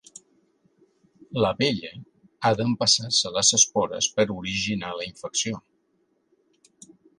L'abella ha d'empassar-se les espores per originar la infecció.